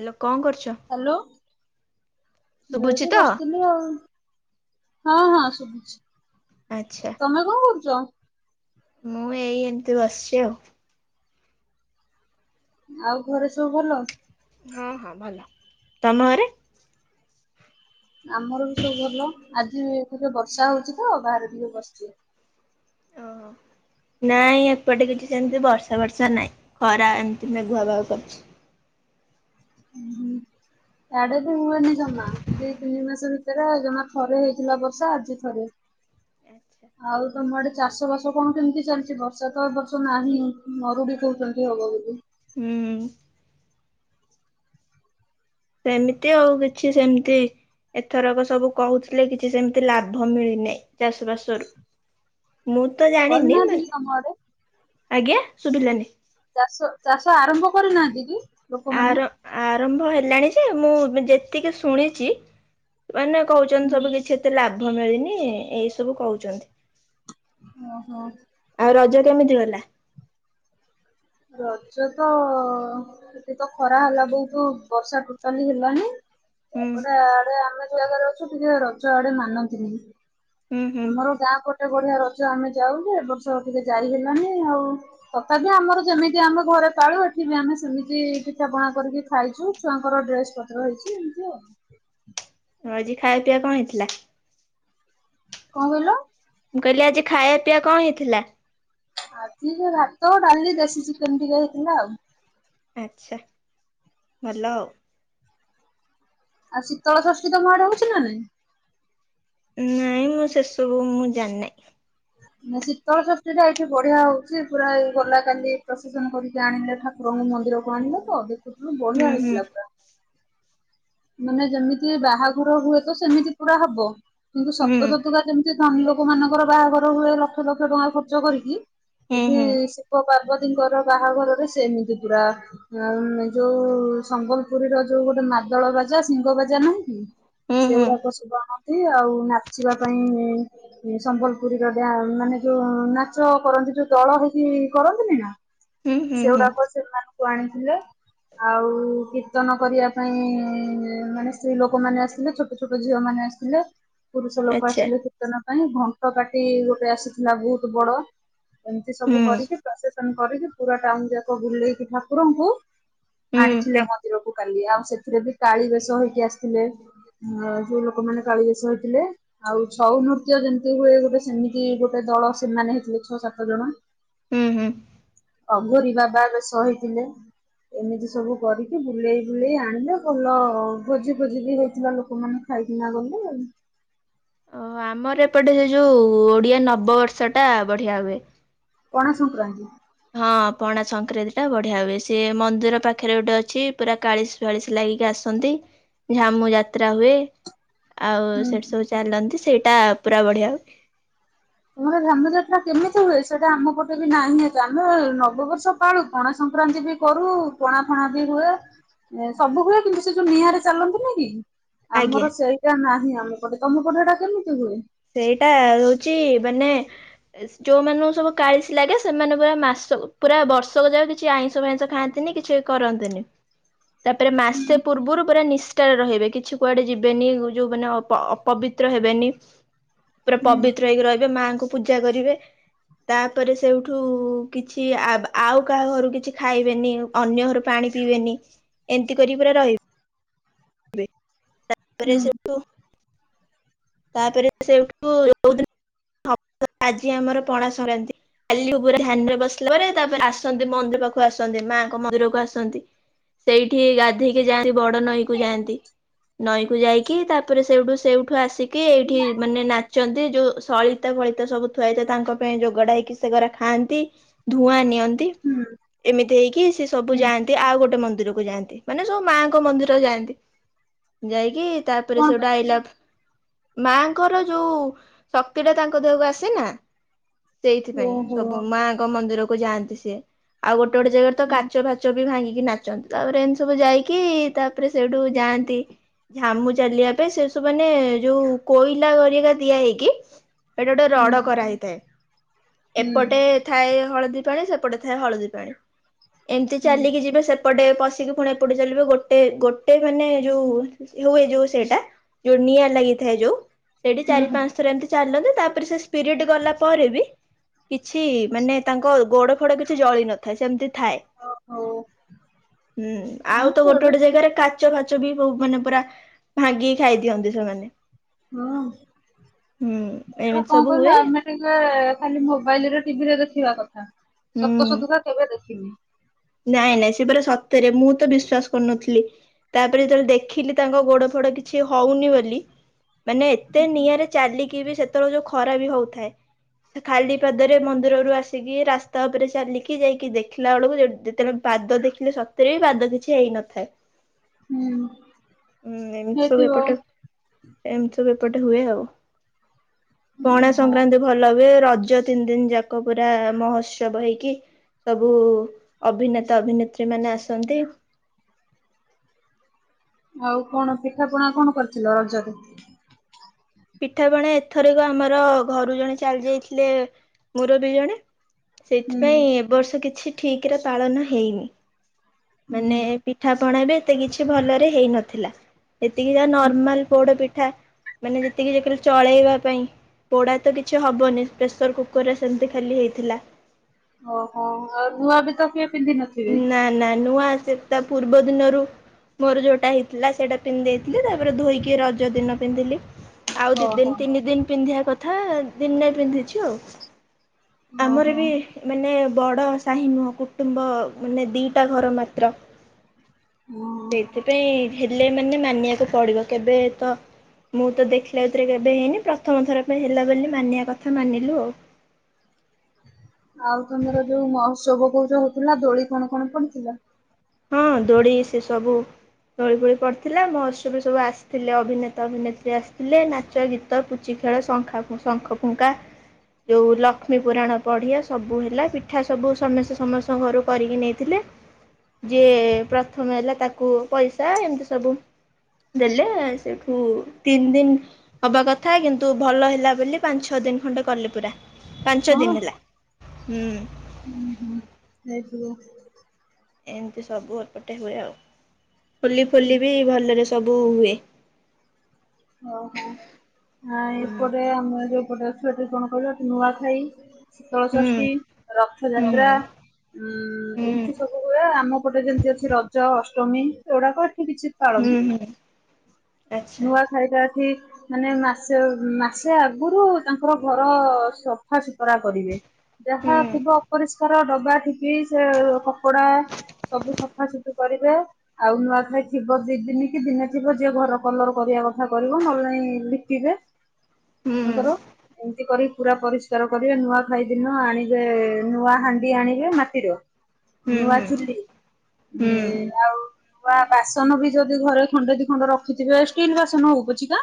Hello କଣ କରୁଚ? ମୁଁ ଏଇଠି ବସିଥିଲି ଆଉ ହଁ ହଁ ଶୁଭୁଚି। ଆଚ୍ଛା ତମେ କଣ କରୁଚ? ମୁଁ ଏଇ ଏମିତି ବସିଚି ଆଉ। ଆଉ ଘରେ ସବୁ ଭଲ? ହଁ ହଁ ଭଲ। ତମ ଘରେ ଆମର ବି ସବୁ ଭଲ। ଆଜି ଟିକେ ବର୍ଷା ହୋଇଚି ତ ବାହାରେ ଟିକେ ବସିଚି। ଓ ନାଇଁ ଏପଟେ କିଛି ସେମତି ବର୍ଷା ବର୍ଷା ଖରା ଏମିତି ମେଘୁଆ ପାଗ କରିଚି। ଇଆଡେ ବି ହୁଏନି ଜମା ଦି ତିନି ମାସ ଭିତରେ ଜମା ଥରେ ହେଇଥିଲା ବର୍ଷା ଆଜି ଥରେ। ଆଉ ତମ ଆଡେ ଚାଷ ବାସ କଣ କେମିତି ଚାଲିଚି ବର୍ଷା ତ ଏ ବର୍ଷ ନାହିଁ ମରୁଡି କହୁଚନ୍ତି ହବ ବୋଲି। ହୁଁ। ସେମିତି ଆଉ କିଛି ସେମିତି ଏଥରକ ସବୁ କହୁଥିଲେ କିଛି ସେମିତି ଲାଭ ମିଳିନାହିଁ ଚାଷ ବାଷରୁ। ମୁଁ ତ ଜାଣିନି କରିନାହାନ୍ତି ମାନେ କି ତମ ଆଡେ? ଆଜ୍ଞା ଶୁଭିଲାନି ଚାଷ ଚାଷ ଆରମ୍ଭ କରିନାହାନ୍ତି କି ଆର ଲୋକମାନେ? ଆରମ୍ଭ ହେଲାଣି ଯେ ମୁଁ ଯେତିକି ଶୁଣିଚି ମାନେ କୋହୁଚନ୍ତି ସବୁ କିଛି ଏତେ ଲାଭ ଲାଭ ମିଳିନି ଏଇ ସବୁ କୋହୁଚନ୍ତି। ଓ ହୋ। ରଜ କେମିତି ଗଲା? ରଜ ତ ଏଠି ତ ଖରା ହେଲା ବୋହୁତ ବର୍ଷା ଟୋଟାଲି ହେଲାନି। ହୁଁ ତାପରେ ଆଡେ ଆମେ ଯୋଉ ଜାଗାରେ ଅଛୁ ଟିକେ ରଜ ଇଆଡେ ମାନନ୍ତି ନି। ହୁଁ ହୁଁ ଆମର ଗାଁ ପଟେ ବଢିଆ ର ଜ ଆମେ ଯାଉଯେ ଏବର୍ଷ ଟିକେ ଜାଇ ହେଲାନି ଆଉ ତଥାପି ଆମର ଯେମିତି ଆମେ ଘରେ ପାଳୁ ଏଠି ବି ଆମେ ସେମିତି ପିଠା ପଣା କରିକି ଖାଇଚୁ ଛୁଆଙ୍କର ଡ୍ରେସ ପତ୍ର ହେଇଚି ଏମିତି ଆଉ। ଆଜି ଖାଇବା ପିଇବା କଣ ହେଇଥିଲା? କଣ କହିଲ? ମୁଁ କହିଲି ଆଜି ଖାଇବା ପିଇବା କଣ ହେଇଥିଲା? ଆଜି ଏ ଭାତ, ଡାଲି, ଦେସିଚିକେନ ଟିକେ ହେଇଥିଲା ଆଉ। ଆଚ୍ଛା ଭଲ ଆଉ। ଆଉ ଶୀତଳଷଷ୍ଠୀ ତମ ଆଡେ ହୋଉଚି ନା ନାଇଁ? ନାଇଁ ମୁଁ ସେସବୁ ମୁଁ ଜାଣିନାଇ। ଶୀତଳଷଷ୍ଠୀଟା ଏଇଠି ବଢ଼ିଆ ହୋଉଚି ପୁରା ଏଇ ଗଲା କାଲି ପ୍ରଶେସନ କରିକି ଆଣିଲେ ଠାକୁରଙ୍କୁ ମନ୍ଦିରକୁ ଆଣିଲେ ତ ଦେଖୁଥିଲୁ ହୁଁ ବଢିଆ ହୁଁ ହେଇଥିଲା ପୁରା। ମାନେ ଯେମିତି ବାହାଘର ହୁଏ ତ ସେମିତି ପୁରା ହବ କିନ୍ତୁ ହୁଁ ସତସତୁକା ଯେମିତି ଧନୀ ଲୋକ ମାନଙ୍କର ବାହାଘର ହୁଏ ଲକ୍ଷ ଲକ୍ଷ ଟଙ୍କା ଖର୍ଚ୍ଚ କରିକି ହୁଁ ଏଠି ହୁଁ ଶିବ ପାର୍ବତୀ ଙ୍କର ବାହାଘରରେ ସେମିତି ପୁରା ଯୋଉ ସମ୍ବଲପୁରୀର ଯୋଉ ଗୋଟେ ମାଦଳ ବାଜା ସିଙ୍ଗ ବାଜା ନାହିଁ କି ହୁଁ ହୁଁ ସେଗୁଡ଼ାକ ଶୁ ଆଉ ନାଚିବା ପାଇଁ ଯୋଉ ଦଳ ହେଇକି କରନ୍ତିନି ନା ହୁଁ ହୁଁ ହୁଁ ସେଗୁଡ଼ାକ ସେମାନଙ୍କୁ ଆଣିଥିଲେ ଆଉ କୀର୍ତ୍ତନ କରିବା ପାଇଁ ମାନେ ସ୍ତ୍ରୀ ଲୋକମାନେେ ଆସିଥିଲେ ଛୋଟ ଛୋଟ ଝିଅମାନେ ଆସିଥିଲେ ପୁରୁଷଲୋକ ଆଚ୍ଛା ଆସିଥିଲେ କୀର୍ତ୍ତନ ପାଇଁ ଘଣ୍ଟ ପାର୍ଟି ଗୋଟେ ଆସିଥିଲା ବହୁତ ବଡ଼ ଏମିତି ହୁଁ ସବୁ କରିକି ପ୍ରଶେସନ୍ କରିକି ପୁରା ଟାଉନ ଯାକ ବୁଲେଇକି ଠାକୁରଙ୍କୁ ହୁଁ ଆଣିଥିଲେ ମନ୍ଦିରକୁ କାଲି ଆଉ ସେଥିରେ ବି କାଳି ବେଶ ହେଇକି ଆସିଥିଲେ। ହଁ ଯୋଉ ଲୋକମାନେ କାଳିବେଶ ହେଇଥିଲେ ଆଉ ଛଉନୃତ୍ୟ ଯେମିତି ହୁଏ ଗୋଟେ ସେମିତି ଗୋଟେ ଦଳ ସେମାନେ ହେଇଥିଲେ ଛଅ ସାତ ଜଣ। ହୁଁ ହୁଁ। ଅଙ୍ଗୁରୀ ବାବା ଆମେ ସହିଥିଲେ। ଏମିତି ସବୁ କରିକି ବୁଲେଇ ବୁଲେଇ ଆଣିଲେ ଭଲ। ଭୋଜି ଭୋଜି ବି ହେଇଥିଲା ଲୋକମାନେ ଖାଇକିନା ଗଲେ। ଓହୋ ଆମର ଏପଟେ ସେ ଯୋଉ ଓଡିଆ ନବ ବର୍ଷଟା ବଢିଆ ହୁଏ। ପଣା ସଂକ୍ରାନ୍ତି। ହଁ ପଣା ସଂକ୍ରାନ୍ତିଟା ବଢିଆ ହୁଏ। ସେ ମନ୍ଦିର ପାଖରେ ଗୋଟେ ଅଛି ପୁରା କାଳିଶ ଫାଳିଶ ଲାଗ କି ଆସନ୍ତି ଝାମୁ ଯାତ୍ରା ହୁଏ। ଆଉ ହୁଁ ସେଠି ସବୁ ଚାଲନ୍ତି ସେଇଟା ପୁରା ବଢିଆ। ତମର ଝାମୁ ଯାତ୍ରା କେମିତି ହୁଏ? ସେଟା ଆମ ପଟେ ବି ନାହିଁ ଆମେ ନବବର୍ଷ ପାଳୁ ପଣା ସଂକ୍ରାନ୍ତି ବି କରୁ ପଣା ଫଣା ବି ହୁଏ। ଏ ସବୁବେଳେ କିନ୍ତୁ ସେ ଯୋଉ ନିଆଁରେ ଚାଲନ୍ତି ନା କି? ଆଜ୍ଞା ଆମର ସେଇଟା ନାହିଁ ଆମ ପଟେ ତମ ପଟେ ସେ ଟା କେମିତି ହୁଏ? ସେଇଟା ହଉଛି ମାନେ ଯୋଉ ମାନଙ୍କୁ ସବୁ କାଳିସ ଲାଗେ ସେମାନେ ପୁରା ମାସ ପୁରା ବର୍ଷକ ଯାକ କିଛି ଆଇଁଷ ଫାଇଁସ ଖାଆନ୍ତି। କିଛି କରନ୍ତିନି ତାପରେ ମାସେ ହୁଁ ପୂର୍ବରୁ ପୁରା ନି ଷ୍ଠାରେ ରହିବେ କିଛି କୁଆଡେ ଯିବେନି ଯୋଉ ମାନେ ଅପବିତ୍ର ହେବେନି। ପୁରା ପବିତ୍ର ହେଇକି ରହିବେ ମାଙ୍କୁ ପୂଜା କରିବେ। ତାପରେ ସେଇଉଠୁ କିଛି ଆଉ କାହା ଘରୁ କିଛି ଖାଇବେନି ଅନ୍ୟ ଘର ପାଣି ପାଣି ପିଇବେନି ଏମିତି କରି ପୁରା ରହିବେ। ତାପରେ ହୁଁ ହୁଁ ସେଠୁ ତାପରେ ସେଇଠୁ [unintelligible] ଆଜି ଆମର ପଣା ସରାନ୍ତି। କାଲି ଉପ ଉପରେ ଧ୍ୟାନରେ ବସିଲା ପରେ ତାପରେ ଆସନ୍ତି ମନ୍ଦିର ପାଖକୁ ଆସନ୍ତି ମାଙ୍କ ମନ୍ଦିରକୁ ଆସନ୍ତି। ସେଇଠି ଗାଧେଇକି ଯାନ୍ତି ବଡ ନଈକି। ଯାଆନ୍ତି ନଈ କୁ ଯାଇକି ତାପରେ ସେଠୁ ସେଇଠୁ ଆସିକି ଏଇଠି ମାନେ ନାଚ ଛନ୍ତି ଯୋଉ ସଳି ଫଳିତା ସବୁ ଥୁଆଇଥାଏ ତାଙ୍କ ପାଇଁ ଯୋଗଡା ହେଇକି ସେଗରା ଖାଆନ୍ତି ଧୂଆଁ ନିଅନ୍ତି ହୁଁ ଏମିତି ହେଇକି। ସେ ସବୁ ହୁଁ ଯାଆନ୍ତି ଆଉ ଗୋଟେ ମନ୍ଦିରକୁ ଯାଆନ୍ତି ମାନେ ସବୁ ମାଆଙ୍କ ମନ୍ଦିର ଯାଆନ୍ତି। ଯାଇକି ତାପରେ କଣ ସେଟା ପାଇଁ ଆଇଲା ମାଙ୍କର ଯୋଉ ଶକ୍ତିଟା ତାଙ୍କ ଦେହକୁ ଆସେ ନା, ସେଇଥିପାଇଁ ଓହୋ ସବୁ ମାଙ୍କ ମନ୍ଦିରକୁ ଯାଆନ୍ତି ସିଏ ଆଉ ଗୋଟେ ଗୋଟେ ଗୋଟେ ଜାଗାରେ ତ ହୁଁ କାଚ ଫାଚ ବି ଭାଙ୍ଗିକି ନାଚନ୍ତି ତାପରେ ଏମିତି ସବୁ ଯାଇକି ତାପରେ ସେଇଠୁ ଯାଆନ୍ତି ଝାମୁ ଚାଲିବା ପାଇଁ ସେ ସବୁ ମାନେ ଯୋଉ କୋଇଲା କରିକା ଦିଆ ହେଇଛି। ସେଟା ଗୋଟେ ହୁଁ ରଡ କରା ହେଇଥାଏ, ଏପଟେ ହୁଁ ଥାଏ ହଳଦୀ ହୀ ପାଣି ସେପଟେ ଥାଏ ହଳଦୀ ପାଣି ଏମିତି ଚାଲିକି ଯିବେ ସେ ଏପଟେ ପଶିକି ପୁଣି ଏପଟେ ଚଲିବେ ଗୋଟେ ଗୋଟେ ମାନେ ଯୋଉ ହୁଏ ଯୋଉ ସେଇଟା ଯୋଉ ନିଆଁ ଲାଗିଥାଏ ଯୋଉ ସେଇଠି ହୁଁ ଚାରି ପାଞ୍ଚ ଥର ଏମିତି ଚାଲନ୍ତି ତାପରେ ସେ ସ୍ପିରିଡ ଗଲା ପରେ ବି କିଛି ମାନେ ତାଙ୍କ ଗୋଡ ଫୋଡ କିଛି ଜଳି ନଥାଏ ସେମିତି। ଥାଏ ଓହୋ ହୁଁ ଆଉ ହଁ ତ ଗୋଟେ ସେଗୁଡା ଗୋଟେ ଜାଗାରେ କାଚ ଫାଚ ବି ମାନେ ପୁରା ଭାଙ୍ଗିକି ଖାଇ ଦିଅନ୍ତି, ସେମାନେ ହଁ ହୁଁ ଏମିତି କଣ ସବୁ କହିଲୁ? ହୁଏ ଆମେ ଟିକେ ଖାଲି ମୋବାଇଲରେ ଟିଭିରେ ଦେଥିବା କଥା, ହୁଁ। ସତ ଶଧୁତା କେବେ ଦେଖିନି। ନାଇଁ ନାଇଁ ସେ ପୁରା ସତ୍ୟରେ, ମୁଁ ତ ବିଶ୍ଵାସ କରୁନଥିଲି ତାପରେ ଯେତେବେଳେ ଦେଖିଲି ତାଙ୍କ ଗୋଡ ଫୋଡ କିଛି ହଉନି ବୋଲି ମାନେ ଏତେ ନିଆଁରେ ଚାଲିକି ବି ସେତେବେଳେ ଯୋଉ ଖରା ବି ହଉଥାଏ ସେ ଖାଲି ପାଦରେ ମନ୍ଦିରରୁୁ ଆସିକି ରାସ୍ତା ଉପରେ ଚାଲିକି ଯାଇକି ଦେଖିଲା ବେଳକୁ କେତେବେଳେ ପାଦ ଦେଖିଲେ ସତରେ ବି ପାଦ କିଛି ହେଇନଥାଏ। ହୁଁ ହୁଁ, ଏମ ସବୁ ହେଇଥିବ ଏପଟେ ଏମିତି ସବୁ ଏପଟେ ହୁଏ ଆଉ, ପଣା ହଁ। ସଂକ୍ରାନ୍ତି ଭଲ ହୁଏ, ରଜ ଜ ତିନି ଦିନ ଯାକ ପୁରା ମହୋତ୍ସବ ହେଇକି, ସବୁ ଅଭିନେତା ଅଭିନେତ୍ରୀ ମାନେ ଆସନ୍ତି। ଆଉ କଣ ପିଠା ପଣା କଣ କରିଥିଲ? ରଜରେ ପିଠାପଣା ଏଥରକ ଆମର ଘରୁ ଜଣେ ଚାଲି ଯାଇଥିଲେ, ମୁରବି ଜଣେ ହୁଁ ସେଥିପାଇଁ ଏବ ବର୍ଷ କିଛି ଠିକ ରେ ପାଳନ ହେଇନି, ମାନେ ହୁଁ। ପିଠା ପଣା, ଏବେ ଏତେ କିଛି ଭଲରେ ହେଇ ନଥିଲା, ଏତିକି ଯେ ନର୍ମାଲ ପୋଡ ପିଠା ମାନେ ଏତିକି ଯେ କାଲି ଚଳେଇବା ପାଇଁ ପୋଡା ତ କିଛି ହବନି, ପ୍ରେସର କୁକର୍ ରେ ସେମତି ଖାଲି ହେଇଥିଲା। ଓହୋ, ଆଉ ନୂଆ ବି ତ କିଏ ପିନ୍ଧି ନଥିବେ? ନା ନା ନୂଆ ସେ ତା ପୂର୍ବ ଦିନରୁ ମୋର ଯୋଉଟା ହେଇଥିଲା, ସେଇଟା ପିନ୍ଧି ଦେଇେଥିଲି ତାପରେ ଧୋଇକି ରଜ ଦିନ ପିନ୍ଧିଲି। ଆଉ ଦି ଦିନ, ଓହୋ। ତିନି ଦିନ, ପିନ୍ଧିବା କଥା, ଦିନେ ପିନ୍ଧିଛି ଆଉ ଆମର ଓହୋ। ବି ମାନେ ବଡ ସାହି ନୁହଁ, କୁଟୁମ୍ବ ମାନେ ଦିଟା ଘର ମାତ୍ର ହଁ ସେଇଥିପାଇଁ ହେଲେ ମାନେ, ମାନିବାକୁ ପଡିବ କେବେ ତ ମୁଁ ତ ଦେଖିଲା ଭିତରେ କେବେ ହେଇନି, ପ୍ରଥମ ଥର ପାଇଁ ହେଲା ବୋଲି ମାନିବା କଥା ମାନିଲୁ ଆଉ [inaudible] ଆଉ ତମର ଯୋଉ ମହୋତ୍ସବ କୋଉ ଜ ହଉଥିଲା, ଦୋଳି କଣ କଣ ପଡିଥିଲା? ହଁ ଦୋଡି ସେ ସବୁ ଦୋଳି ଫୋଳି ପଡିଥିଲା, ମହୋତ୍ସବରେ ସବୁ ଆସିଥିଲେ, ଅଭିନେତା ଅଭିନେତ୍ରୀ ଆସିଥିଲେ, ନାଚ, ଗୀତ, ପୁଚି ଖେଳ ଶଙ୍ଖ ଫୁଙ୍କା ଯୋଉ ଲକ୍ଷ୍ମୀ ପୁରାଣ ପଢିଆ ସବୁ ହେଲା ପିଠା ସବୁ ସମସ୍ତେ ସମସ୍ତଙ୍କ ଘରୁ କରିକି ନେଇଥିଲେ। ଯିଏ ପ୍ରଥମ ହେଲା ତାକୁ ପଇସା ଏମିତି ସବୁ ଦେଲେ, ସେଠୁ ତିନି ଦିନ ହବା କଥା କିନ୍ତୁ ଭଲ ହେଲା ବୋଲି ପାଞ୍ଚ ଛ ଦି ଦିନ ଖଣ୍ଡେ କଲେ ପୁରା, ପାଞ୍ଚ ଛ ହଁ ଦିନ ହେଲା ହୁଁ ହୁଁ ହୁଁ ହେଇଥିବ। ଏମିତି ସବୁ ଏପଟେ ହୁଏ ଆଉ ହୋଲି ଫୁଲି ବି ଭଲରେ ସ ସବୁ ହୁଏ। ଓହୋ, ହୁଁ ଏପଟେ ଆମର ଗଟେ ଛୁଏଠି [unintelligible] କଣ କହିବ କି ନୂଆଖାଇ, ଶୀତଳ ଷଷ୍ଠୀ, ହୁଁ ହୁଁ ରଥଯାତ୍ରା ଉଁ ହୁଁ ଏମତି ସବୁ ହୁଏ, ଆମ ପଟେ ଯେମିତି ଅଛି, ରଜ, ଅଷ୍ଟ ଷ୍ଟମୀ, ଏଗୁଡ଼ାକ ଏତେ କିଛି ହୁଁ ପାଳନ୍ତିନି। ହୁଁ ଆଚ୍ଛା ନୂଆ ଖାଇବା ଏଠି ମାନେ ମାସେ ମାସେ ଆଗରୁ ତାଙ୍କର ଘର ସଫା ସୁତରା କରିବେ। ହୁଁ ଯାହା ଥିବ ଅପରିଷ୍କାର ଡ ବା ଠିପି ସେ କପଡା ସବୁ ସଫା ସତୁ କରିବେ ଆଉ ନୂଆଖାଇ ଥିବ ଦି ଦିନ କି ଦିନେ ଥିବ ଯିଏ ଘର କଲର କରିବା କଥା କରିବ, ନହଲେ ନାଇ ଲିପିବେ ହୁଁ ତାଙ୍କର ଏମିତି କରି ପୁରା ପରିଷ୍କାର କରିବେ, ନୂଆ ଖାଇଦିନ ଆଣିବେ, ନୂଆ ହାଣ୍ଡି ଆଣିବେ, ମାଟିର ହୁଁ ନୂଆ ହୁଁ ଚୁଲି ହୁଁ ଆଉ ବା ବାସନ ବି ଯଦି ଘରେ ଖଣ୍ଡେ ଦି ଖଣ୍ଡ ରଖିଥିବେ ଷ୍ଟିଲ୍ ବାସନ ହଉ ପଛିକା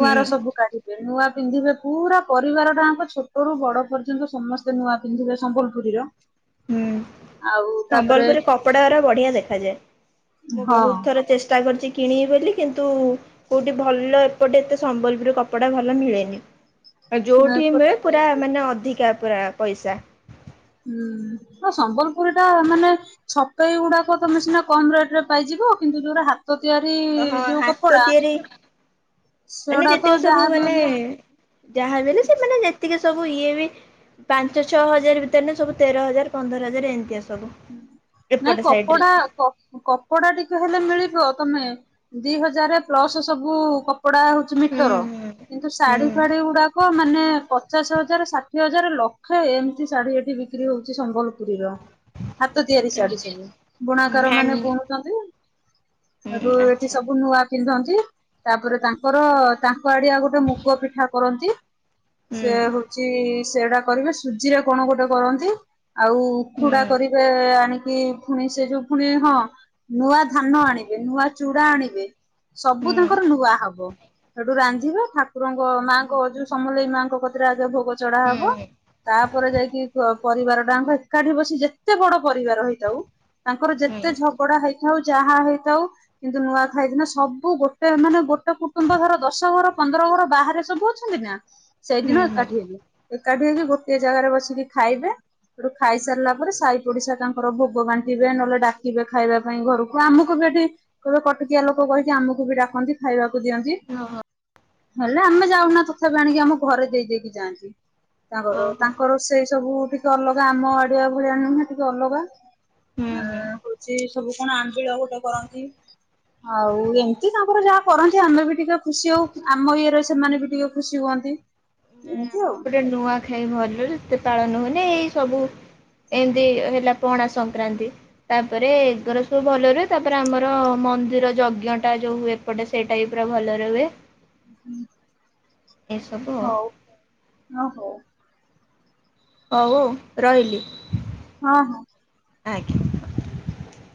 ହୁଁ ସବୁ କାଢିବେ ନୂଆ ପିନ୍ଧିବେ ପୁରା ପରିବାର ଟାଙ୍କ ଛୋଟରୁୁ ବଡ ପର୍ଯ୍ୟନ୍ତ ସମସ୍ତେ ନୂଆ ପିନ୍ଧିବେ ସମ୍ବଲପୁରୀର। ହୁଁ। ଆଉ ତାପରେ ସମ୍ବଲପୁରରେ କପଡା ଗୁରା ବଢିଆ ଦେଖାଯାଏ। ମୁଁ ହଁ ବହୁତ ଥର ଚେଷ୍ଟା କରିଛି କିଣିବି ବୋଲି କିନ୍ତୁ କୋଉଁଠି ଭଲ ଏପଟେ ଏତେ ସମ୍ବଲପୁର କପଡ଼ା ଭଲ ମିଳେନି। ଆଉ ଯୋଉଠି ଛୋଟ ମିଳେ ସବୁ ପୁରା ମାନେ ଅଧିକା ପୁରା ପଇସା। ହୁଁ। ସମ୍ବଲପୁରୀ ଟା ମାନେ ଛକେଇ ଗୁଡାକ ତମେ ସିନା କମ ରେଟ ରେ ପାଇଯିବ କିନ୍ତୁ ଯୋଉଟା ହାତ ହାତ ତିଆରି ଓହୋ ଯୋଉ ହାତ କପଡା ତିଆରି ମାନେ ସେଗୁଡ଼ା ତ ଯେତିକି ସବୁ ଯାହାବି ମାନେ ହେଲେ ଯାହା ବି ହେଲେ ସେମାନେ ଯେତିକି ସବୁ ଇଏ ବି ପାଞ୍ଚ ଛଅ ହଜାର ଭିତରେ ସବୁ ତେର ହଜାର ପନ୍ଦର ହଜାର ଏମିତି ଆସୁ ନାଇଁ କପଡା କପଡା ଟିକେ ହେଲେ ମିଳିବ। ତମେ ଦି ହଜାର ପ୍ଲସ ସବୁ କପ୍ କପଡା ହଉଛି ହୁଁ ମିଟର ହୁଁ କିନ୍ତୁ ଶାଢୀ ଫାଢୀ ହୁଁ ଗୁଡାକ ମାନେ ପଚାଶ ହଜାର ଷାଠିଏ ହଜାର ଲକ୍ଷେ ଏମିତି ଶାଢୀ ଏଠି ବିକ୍ରି ହଉଛି ସମ୍ବଲପୁରୀର ହାତ ତିଆରି ଶାଢୀ ଆଚ୍ଛା। ସବୁ ହୁଁ ବୁଣାକାର ମାନେ ହ୍ୟାଣ୍ଡ ବୁଣୁଛନ୍ତି। ହୁଁ ଏଠୁ ଏଠି ଆଚ୍ଛା ସବୁ ନୂଆ ପିନ୍ଧନ୍ତି ତା ପରେ ତାଙ୍କର ତାଙ୍କ ଆଡିଆ ଗୋଟେ ମୁଗ ପିଠା କରନ୍ତି ହୁଁ ସେ ହଉଛି ସେଟା କରିବେ ସୁଜିରେ କଣ ଗୋଟେ କରନ୍ତି ଆଉ। ହୁଁ ଚୁଡା କରିବେ ଆଣିକି ପୁଣି ସେ ଯୋଉ ପୁଣି ହଁ ନୂଆ ଧାନ ଆଣିବେ ନୂଆ ଚୂଡା ଆଣିବେ ସବୁ ହୁଁ ତାଙ୍କର ନୂଆ ହବ। ସେଠୁ ରାନ୍ଧିବା ଠାକୁରଙ୍କ ମାଙ୍କ ଅ ଯୋଉ ସମଲେଇ ମାଆଙ୍କ କତିରେ ଭୋଗ ଚଢା ହବ ହୁଁ ତାପରେ ଯାଇକି ପରିବାର ଟା ଏକାଠି ବ ଯେତେ ବଡ ପରିବାର ହେଇଥାଉ ତାଙ୍କର ହୁଁ ଯେତେ ଝଗଡା ହେଇଥାଉ ଯାହା ହେଇଥାଉ କିନ୍ତୁ ନୂଆଖାଇ ଦିନ ସବୁ ଗୋଟେ ମାନେ ଗୋଟେ କୁଟୁମ୍ବ ଧର ଦଶ ଘର ପନ୍ଦର ର ବାହାରେ ସବୁ ଅଛନ୍ତି ନା ସେଇଦିନ ହୁଁ ହୁଁ ଏକାଠି ହେବ ଏକାଠି ହେଇକି ଗୋଟଏ ଜାଗାରେ ବସିକି ଖାଇବେ ସେଠୁ ଖାଇସାରିଲା ତାପରେ ସାହି ପଡିଶା ତାଙ୍କର ଭୋଗ ବାଣ୍ଟିବେ ନହେଲେ ଡାକିବେ ଖାଇବା ପାଇଁ ଘରକୁ ଆମକୁ ବି ଏଠି କେବେ କିଆ ଲୋକ କହିକି ଆମକୁ ବି ଡାକନ୍ତି ଖାଇବାକୁ। ଦିଅନ୍ତି ଓହୋ ହେଲେ ଆମେ ଯାଉନା ତଥାପି ଆଣିକି ଆମ ଘରେ ଦେଇ ଦେଇ କି ଯାଆନ୍ତି। ତାଙ୍କର ଓହୋ ତାଙ୍କର ସେଇ ସବୁ ଟିକେ ଅଲଗା ଆମ ଆଡିଆ ଭଳିଆ ନୁହେଁ ଟିକେ ଅଲଗା। ହୁଁ ଆ ହୁଁ। ହଉଛି ସବୁ କଣ ଆମ୍ବିଳ ଗୋଟେ କରନ୍ତି। ଆଉ ଏମତି ତାଙ୍କର ଯାହା କରନ୍ତି ଆମେ ବି ଟିକେ ଖୁସି ହଉ ଆମ ଇଏରେ ସେମାନେ ବି ଟିକେ ଖୁସି ହୁଅନ୍ତି। ଆନ୍ତି ଆମ ଏପଟେ ନୂଆ ଖାଇ ଭଲରେ ଏତେ ପାଳନ ହଉନି ଏଇ ସବୁ ଏମିତି ହେଲା ପଣା ସଂକ୍ରାନ୍ତି ତାପରେ ଏଗର ସବୁ ଭଲ ରୁହେ ତାପରେ ଆମର ମନ୍ଦିର ଯଜ୍ଞ ଟା ଯୋଉ ହୁଏ ଏପଟେ ସେଇ ଟାଇପ ଭଲରେ ହୁଏ। ଏସବୁ ଆଉ ହଉ ଓ ହୋ। ହ ହଉ ରହିଲି। ହଁ ହଁ। ଆଜ୍ଞା।